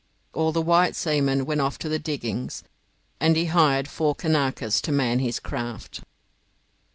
All the white seamen went off to the diggings, and he hired four Kanakas to man his craft.